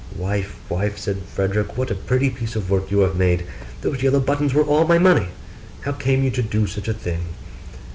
'Wife, wife,' said Frederick, 'what a pretty piece of work you have made! those yellow buttons were all my money: how came you to do such a thing?